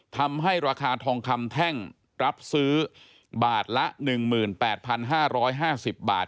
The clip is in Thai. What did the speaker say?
ทำให้ราคาทองคำแท่งรับซื้อบาทละ๑๘๕๕๐บาท